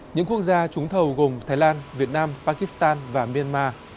những quốc gia trúng thầu gồm thái lan việt nam pakistan và myanmar